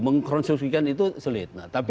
mengkonstruksi itu sulit